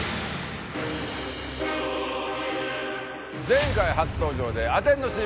前回初登場でアテンド失敗。